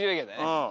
うん。